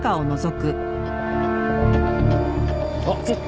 あっちょっ。